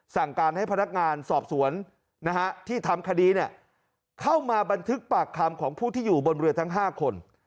สั่งการให้พนักงานสอบสวนที่ทำคดีเข้ามาบันทึกปากคำของผู้ที่อยู่บนเรือทั้ง๕คน